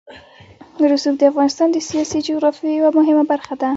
رسوب د افغانستان د سیاسي جغرافیه یوه مهمه برخه ده.